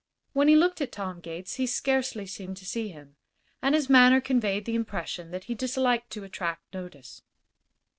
When he looked at Tom Gates he scarcely seemed to see him, and his manner conveyed the impression that he disliked to attract notice.